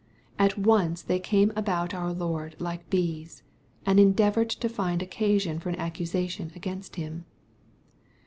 ^ At once they came about our Lord like bees, and endeavored to find occasion for an accusation against Him.